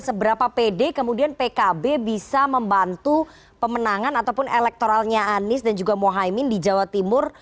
seberapa pede kemudian pkb bisa membantu pemenangan ataupun elektoralnya anies dan juga mohaimin di jawa timur